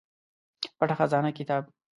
پټه خزانه کتاب